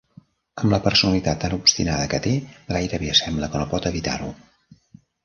Amb la personalitat tan obstinada que té, gairebé sembla que no pot evitar-ho.